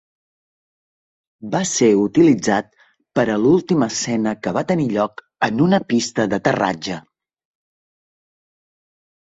Va ser utilitzat per a l'última escena, que va tenir lloc en una pista d'aterratge.